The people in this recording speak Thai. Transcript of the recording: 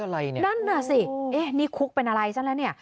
นั่นน่ะสินี่คุกเป็นอะไรซะแล้วเนี่ย